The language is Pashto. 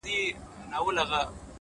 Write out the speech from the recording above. مثبت فکرونه روښانه پرېکړې زېږوي!